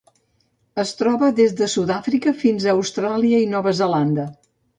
Es troba des de Sud-àfrica fins a Austràlia i Nova Zelanda.